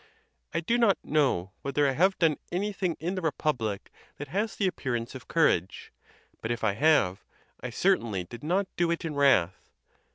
Ido not know whether I have done anything in the republic that has the appearance of cour age; but if I have, 1 certainly did not do it in wrath.